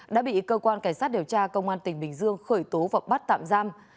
đã bị cơ quan cảnh sát điều tra công an tỉnh bình dương khởi tố và bắt tạm giam